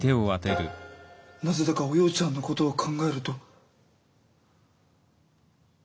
なぜだかおようちゃんのことを考えると。